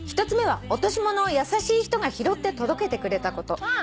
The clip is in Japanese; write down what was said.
「１つ目は落とし物を優しい人が拾って届けてくれたこと」